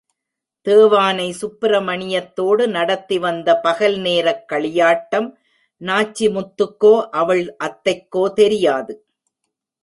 தேவானை, சுப்பிரமணியத்தோடு நடத்தி வந்த பகல் நேரக் களியாட்டம் நாச்சிமுத்துக்கோ, அவள் அத்தைக்கோ தெரியாது.